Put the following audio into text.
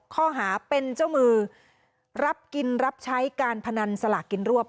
ข้อหาเป็นเจ้ามือรับกินรับใช้การพนันสลากกินรวบ